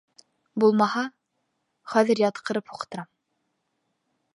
Булмаһа, хәҙер ятҡырып һуҡтырам!